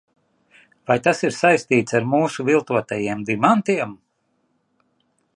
Vai tas ir saistīts ar mūsu viltotajiem dimantiem?